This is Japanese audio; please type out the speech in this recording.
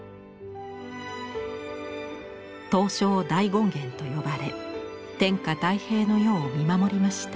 東照大権現と呼ばれ天下太平の世を見守りました。